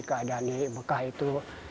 keadaan di bekah itu